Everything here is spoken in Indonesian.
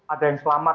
ada yang selamat